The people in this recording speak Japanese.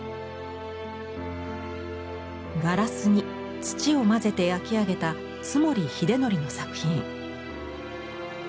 ガラスに土を混ぜて焼き上げた津守秀憲の作品。